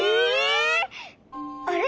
あれ？